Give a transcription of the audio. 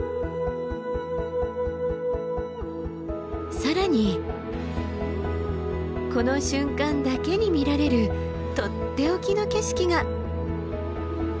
更にこの瞬間だけに見られるとっておきの景色が。